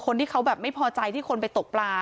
คนที่เขาแบบไม่พอใจที่คนไปตกปลา